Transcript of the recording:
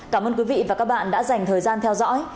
cảm ơn quý vị và các bạn đã dành thời gian theo dõi